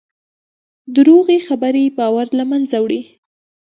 دروغې خبرې باور له منځه وړي.